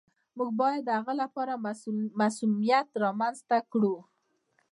موږ باید د هغه لپاره مصونیت رامنځته کړو.